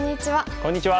こんにちは。